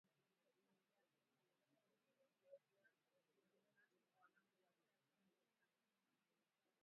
Vita vya M ishirini na tatu vilianza mwaka elfu mbili na kumi na mbili